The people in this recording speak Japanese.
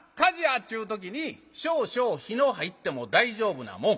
っちゅう時に少々火の入っても大丈夫なもん。